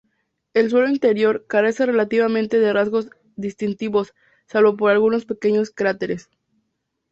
El suelo interior carece relativamente de rasgos distintivos, salvo por algunos pequeños cráteres.